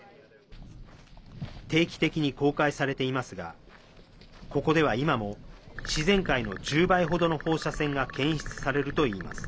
定期的に公開されていますがここでは今も自然界の１０倍ほどの放射線が検出されるといいます。